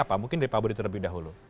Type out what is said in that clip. apa mungkin dari pak budi terlebih dahulu